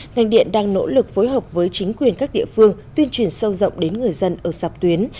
ngành điện đang nỗ lực phối hợp với chính quyền các địa phương tuyên truyền sâu rộng đến người dân ở dọc tuyến